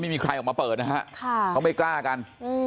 ไม่มีใครออกมาเปิดนะฮะเขาไม่กล้ากัน